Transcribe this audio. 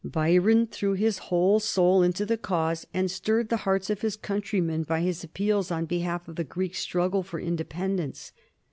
Byron threw his whole soul into the cause, and stirred the hearts of his countrymen by his appeals on behalf of the Greek struggle for independence.